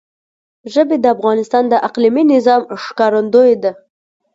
ژبې د افغانستان د اقلیمي نظام ښکارندوی ده.